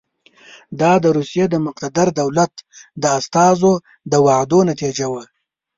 دا د روسیې د مقتدر دولت د استازو د وعدو نتیجه وه.